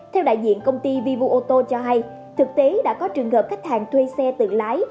theo đại diện công ty vivu ô tô cho hay thực tế đã có trường hợp khách hàng thuê xe tự lái